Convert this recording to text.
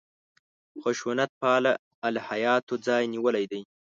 خشونت پاله الهیاتو ځای نیولی دی.